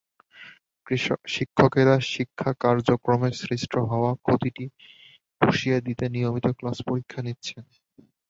শিক্ষকেরা শিক্ষা কার্যক্রমে সৃষ্ট হওয়া ক্ষতিটা পুষিয়ে দিতে নিয়মিত ক্লাস-পরীক্ষা নিচ্ছেন।